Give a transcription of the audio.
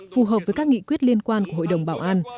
phù hợp với các nghị quyết liên quan của hội đồng bảo an